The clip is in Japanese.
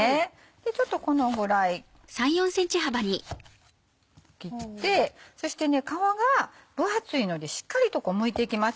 ちょっとこのぐらい切ってそして皮が分厚いのでしっかりとむいていきます。